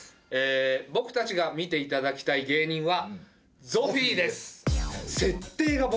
僕たちが見ていただきたい芸人は。